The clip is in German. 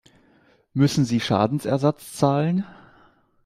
Müssen sie Schadensersatz zahlen?